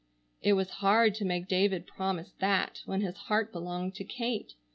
It was hard to make David promise that when his heart belonged to Kate.